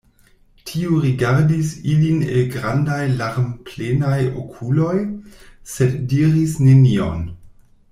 Tiu rigardis ilin el grandaj larmplenaj okuloj, sed diris nenion.